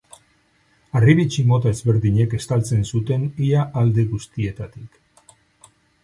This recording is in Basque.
Harribitxi mota ezberdinek estaltzen zuten ia alde guztietatik.